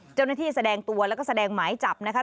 แสดงตัวแล้วก็แสดงหมายจับนะคะ